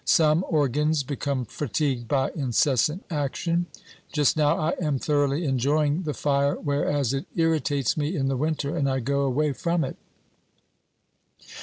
Some organs become fatigued by incessant action. Just now I am thoroughly enjoying the fire, whereas it irritates me in the winter, and I go away from it.